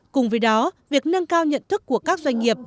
cùng với đó việc nâng cao nhận thức của các doanh nghiệp